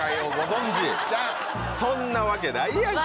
そんなわけないやんか！